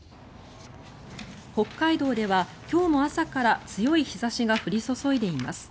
北海道では今日も朝から強い日差しが降り注いでいます。